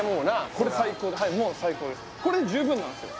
これで十分なんですよ